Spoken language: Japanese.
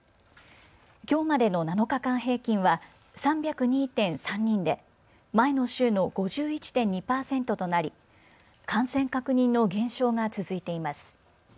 きょうまでの７日間平均は３０２．３人で前の週の５１．２％となり、感染確認の減少が続いています。